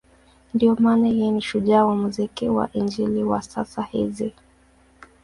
Ndiyo maana yeye ni shujaa wa muziki wa Injili wa sasa hizi.